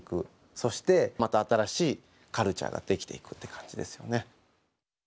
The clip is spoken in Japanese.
そしてまた新しいカルチャーが出来ていくって感じですよね。